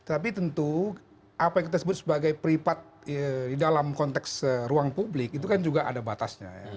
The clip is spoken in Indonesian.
tapi tentu apa yang kita sebut sebagai pripat di dalam konteks ruang publik itu kan juga ada batasnya ya